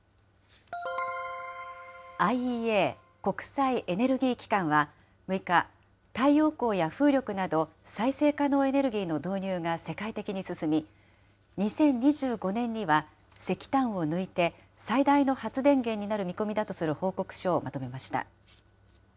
ＩＥＡ・国際エネルギー機関は、６日、太陽光や風力など、再生可能エネルギーの導入が世界的に進み、２０２５年には石炭を抜いて最大の発電源になる見込みだとする報告書をまとめました。